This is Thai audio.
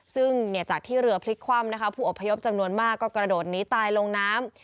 ซึ่งจากที่เรือพลิกคว่ำนะคะผู้อพยพจำนวนมากก็กระโดดหนีตายลงน้ำ